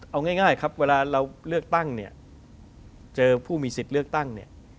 เอาง่ายครับเวลาเราเลือกตั้งเนี่ยเจอผู้มีสิทธิ์เลือกตั้งเนี่ย